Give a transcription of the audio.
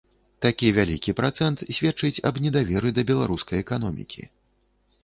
Такі вялікі працэнт сведчыць аб недаверы да беларускай эканомікі.